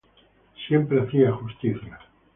Siempre hacía justicia.